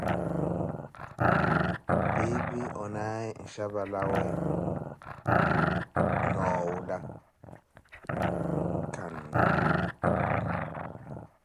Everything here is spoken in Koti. Piipi onaaye nxhapa lawe noowula cannu.